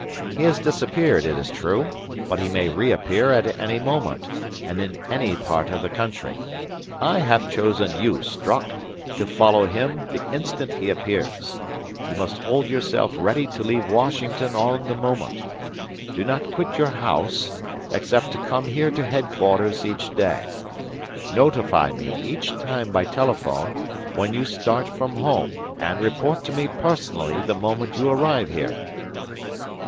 He has disappeared, it is true; but he may reappear at any moment, and in any part of the country. I have chosen you, Strock, to follow him the instant he appears. You must hold yourself ready to leave Washington on the moment. Do not quit your house, except to come here to headquarters each day; notify me, each time by telephone, when you start from home, and report to me personally the moment you arrive here."